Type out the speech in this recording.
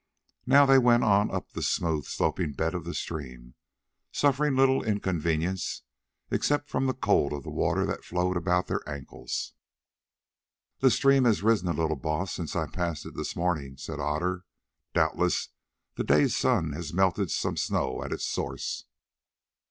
Now they went on up the smooth sloping bed of the stream, suffering little inconvenience, except from the cold of the water that flowed about their ankles. "The stream has risen a little, Baas, since I passed it this morning," said Otter. "Doubtless this day's sun has melted some snow at its source.